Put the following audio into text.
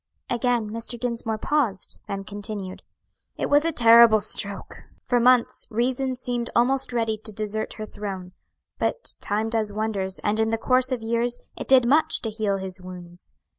Again Mr. Dinsmore paused, then continued: "It was a terrible stroke! For months, reason seemed almost ready to desert her throne; but time does wonders, and in the course of years it did much to heal his wounds.